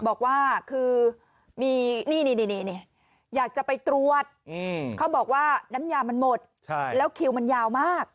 บอกว่าคือมีนี่อยากจะไปตรวจเขาบอกว่าน้ำยามันหมดแล้วคิวมันยาวมาก